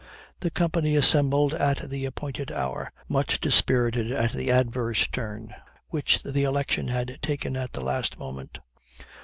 The company assembled at the appointed hour, much dispirited at the adverse turn which the election had taken at the last moment.